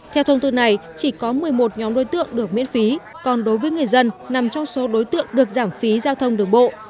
theo thông tư này chỉ có một mươi một nhóm đối tượng được miễn phí còn đối với người dân nằm trong số đối tượng được giảm phí giao thông đường bộ